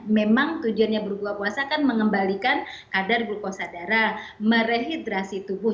memang tujuannya berbuka puasa kan mengembalikan kadar glukosa darah merehidrasi tubuh